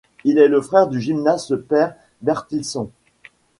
Il est le frère du gymnaste Per Bertilsson.